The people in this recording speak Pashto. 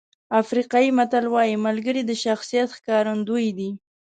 افریقایي متل وایي ملګري د شخصیت ښکارندوی دي.